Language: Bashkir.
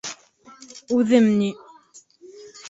Үҙем ни...